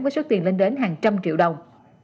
với suất tiền lên đến hàng trăm triệu đồng